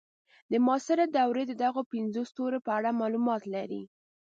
د معاصرې دورې د دغو پنځو ستورو په اړه معلومات لرئ.